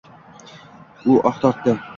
U oh tortdi: